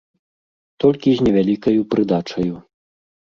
Толькі з невялікаю прыдачаю.